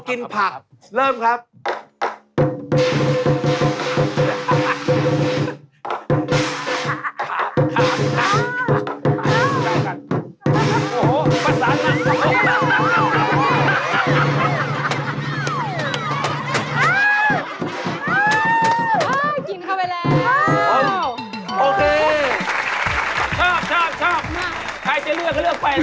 ใครจะเลือกก็เลือกแฟนที่ไม่เลือก